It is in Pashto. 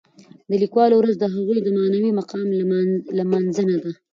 د لیکوالو ورځ د هغوی د معنوي مقام لمانځنه ده.